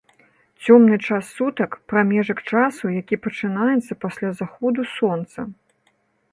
Цёмны час сутак — прамежак часу, які пачынаецца пасля заходу сонца